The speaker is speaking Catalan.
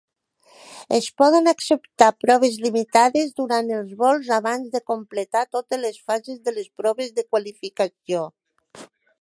Es poden acceptar proves limitades durant els vols abans de completar totes les fases de les proves de qualificació.